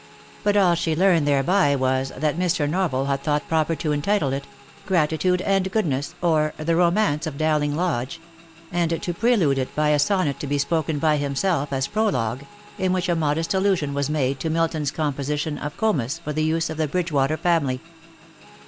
But all she learned thereby was, that Mr. Norval had thought proper to entitle it, " Gratitude and Goodness," or, " The Romance of Dowling Lodge," and to prelude it by a sonnet to be spoken by himself as prologue, in which a modest allusion was made to Milton's composition of Comus for the use of the Bridge water family.